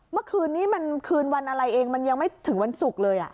เมื่อคืนนี้มันคืนวันอะไรเองมันยังไม่ถึงวันศุกร์เลย